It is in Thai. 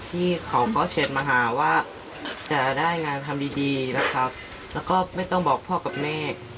ที่เขาก็เช็ดมาหาว่าจะได้งานทำดีดีนะครับแล้วก็ไม่ต้องบอกพ่อกับแม่